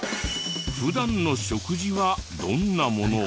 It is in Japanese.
普段の食事はどんなものを？